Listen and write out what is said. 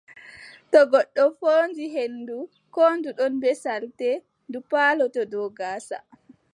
To goɗɗo fooɗi henndu, koo ndu ɗon bee salte, ɗe palotoo dow gaasa.